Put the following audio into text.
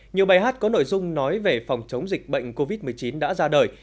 nhiều bài hát có nội dung nói về phòng chống dịch bệnh covid một mươi chín đã ra đời